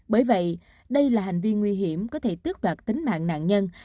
bởi vậy đây là hành vi nguy hiểm có thể tước đoạt tính mạng nạn nhân